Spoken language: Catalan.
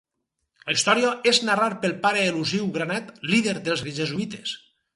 La història és narrar pel pare elusiu granat, líder dels jesuïtes.